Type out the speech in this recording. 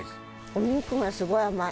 お肉がすごい甘い。